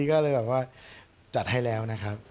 ก็เลยแบบว่าจัดให้แล้วนะครับ